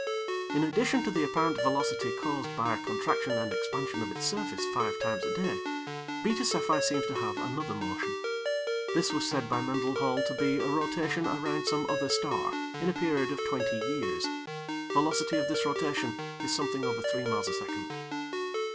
In addition to the apparent velocity caused by contraction and expansion of its surface five times a day, Beta Cephei seems to have another motion. This was said by Mendenhall to be a rotation around some other star in a period of 20 years. Velocity of this rotation is something over three miles a second.